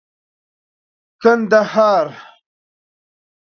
کندهار